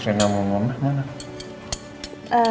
terus rena mau ngomongnya kemana